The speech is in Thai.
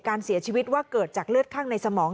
การเสียชีวิตว่าเกิดจากเลือดข้างในสมอง